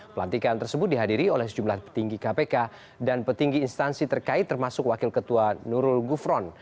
pelantikan tersebut dihadiri oleh sejumlah petinggi kpk dan petinggi instansi terkait termasuk wakil ketua nurul gufron